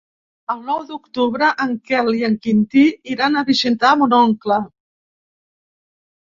El nou d'octubre en Quel i en Quintí iran a visitar mon oncle.